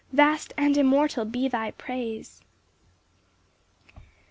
Vast and immortal be thy praise!